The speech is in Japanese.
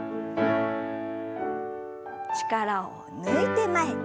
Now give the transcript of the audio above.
力を抜いて前。